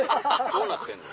「どうなってんの？